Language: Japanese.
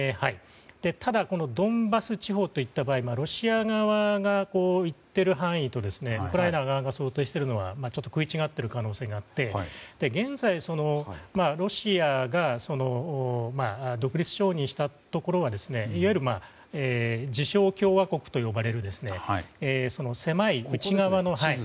ただ、ドンバス地方といった場合ロシア側が言っている範囲とウクライナ側が想定しているのは食い違っている可能性があって現在、ロシアが独立承認したところはいわゆる自称共和国と呼ばれる狭い内側の。